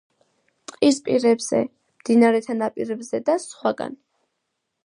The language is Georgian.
ტყის პირებზე, მდინარეთა ნაპირებზე და სხვაგან.